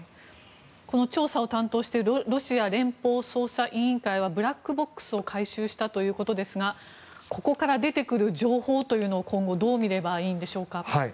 調査を担当しているロシア連邦捜査委員会はブラックボックスを回収したということですがここから出てくる情報を今後どう見ればいいでしょうか？